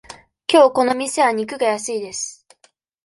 きょうこの店は肉が安いです。